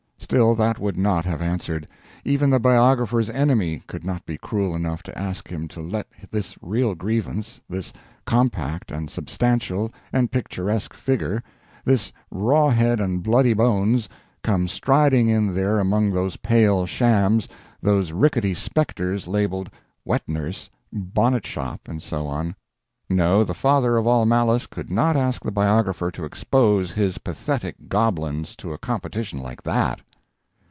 Still, that would not have answered; even the biographer's enemy could not be cruel enough to ask him to let this real grievance, this compact and substantial and picturesque figure, this rawhead and bloody bones, come striding in there among those pale shams, those rickety specters labeled WET NURSE, BONNET SHOP, and so on no, the father of all malice could not ask the biographer to expose his pathetic goblins to a competition like that.